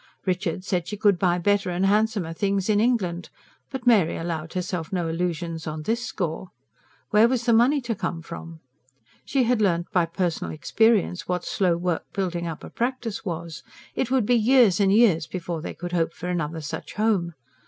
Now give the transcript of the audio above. Richard said she could buy better and handsomer things in England; but Mary allowed herself no illusions on this score. Where was the money to come from? She had learnt by personal experience what slow work building up a practice was. It would be years and years before they could hope for another such home.